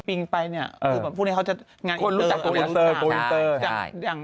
ตัวจริงไปเนี่ยว่าพวกนี้เขาจะงานตัวอินเตอร์